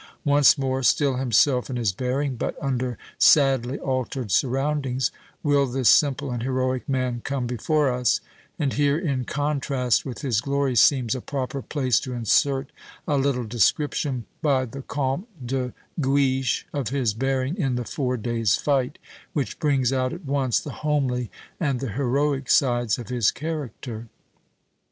Once more, still himself in his bearing, but under sadly altered surroundings, will this simple and heroic man come before us; and here, in contrast with his glory, seems a proper place to insert a little description by the Comte de Guiche of his bearing in the Four Days' Fight, which brings out at once the homely and the heroic sides of his character.